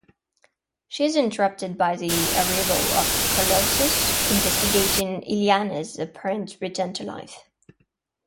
She is interrupted by the arrival of Colossus, investigating Illyana's apparent return to life.